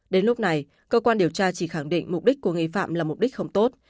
đến lúc này cơ quan điều tra chỉ khẳng định mục đích của nghị phạm là mục đích không tốt